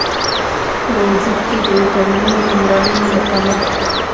و وجود کې د ویټامینونو او منرالونو د کمښت